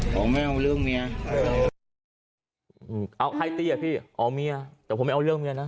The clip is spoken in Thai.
ผมไม่เอาเรื่องเมียเอาให้เตี้ยพี่เอาเมียแต่ผมไม่เอาเรื่องเมียนะ